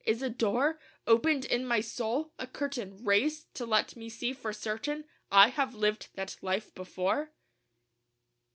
Is a door Opened in my soul? a curtain Raised? to let me see for certain I have lived that life before?